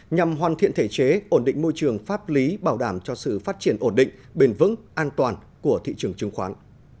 nhằm hoàn thiện thể chế ổn định môi trường pháp lý bảo đảm cho sự phát triển ổn định bền vững an toàn của thị trường chứng khoán